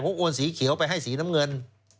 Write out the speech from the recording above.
ผมโอนสีเขียวไปให้สีน้ำเงิน